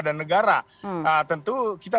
dan negara tentu kita